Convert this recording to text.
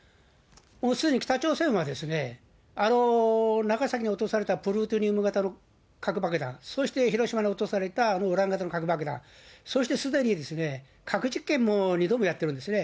もうすでに北朝鮮は、長崎に落とされたプルトニウム型の核爆弾、そして広島に落とされたあのウラン型の核爆弾、そしてすでに核実験も２度もやってるんですね。